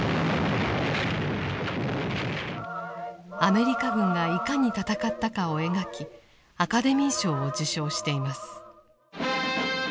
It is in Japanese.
アメリカ軍がいかに戦ったかを描きアカデミー賞を受賞しています。